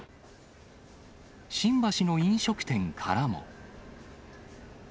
新橋の飲食店からも。